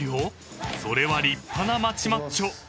［それは立派な街マッチョ］